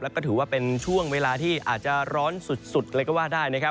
แล้วก็ถือว่าเป็นช่วงเวลาที่อาจจะร้อนสุดเลยก็ว่าได้นะครับ